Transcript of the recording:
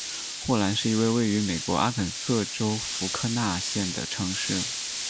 霍兰是一个位于美国阿肯色州福克纳县的城市。